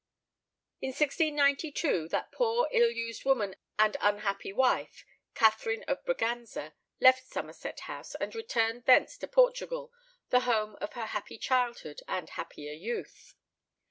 In 1692 that poor ill used woman and unhappy wife, Catherine of Braganza, left Somerset House, and returned thence to Portugal, the home of her happy childhood and happier youth.